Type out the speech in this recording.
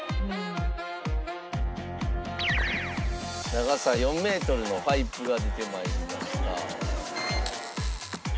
長さ４メートルのパイプが出て参りました。